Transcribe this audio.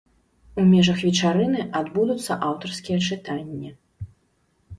У межах вечарыны адбудуцца аўтарскія чытанні.